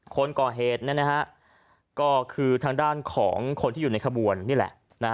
คนก่อเหตุนะฮะก็คือทางด้านของคนที่อยู่ในขบวนนี่แหละ